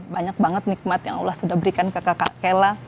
banyak banget nikmat yang allah sudah berikan ke kakak kella